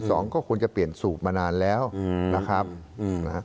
สองคนก็ควรจะเปลี่ยนสูตรมานานแล้วนะครับอืมนะฮะ